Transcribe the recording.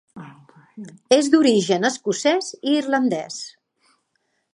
És d'origen escocès i irlandès.